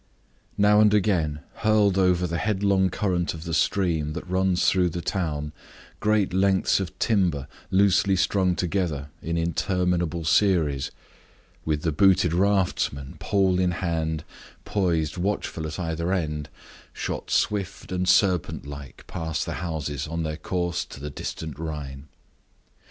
Now and again, hurled over the headlong current of the stream that runs through the town, great lengths of timber, loosely strung together in interminable series with the booted raftsmen, pole in hand, poised watchful at either end shot swift and serpent like past the houses on their course to the distant Rhine.